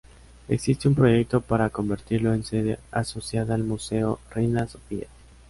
Existe un proyecto para convertirlo en sede asociada al Museo Reina Sofía.